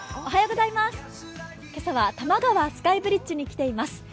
今朝は多摩川スカイブリッジに来ています。